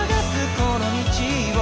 この道を」